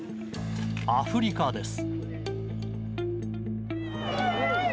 アフリカです。